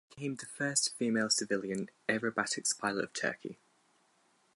She became the first female civilian aerobatics pilot of Turkey.